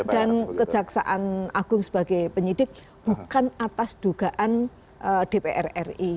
dan kejaksaan agung sebagai penyelidik bukan atas dugaan dpr ri